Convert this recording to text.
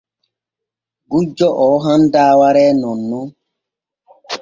Gujjo oo handaa wariree nonnon.